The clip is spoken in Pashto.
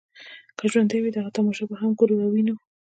که ژوندي وو دغه تماشه به هم وګورو او وینو.